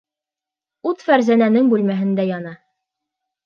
Ут Фәрзәнәнең бүлмәһендә яна.